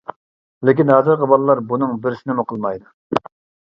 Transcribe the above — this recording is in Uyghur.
لېكىن ھازىرقى بالىلار بۇنىڭ بىرسىنىمۇ قىلمايدۇ.